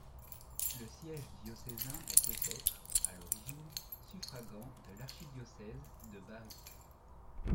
Le siège diocésain est peut-être, à l'origine, suffragant de l'archidiocèse de Bari.